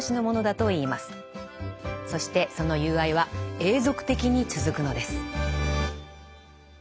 そしてその友愛は永続的に続くのです。